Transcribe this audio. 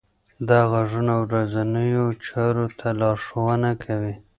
دغه غږونه ورځنیو چارو ته لارښوونه کوي.